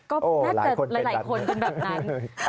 ก็น่าจะหลายคนเป็นแบบนั้น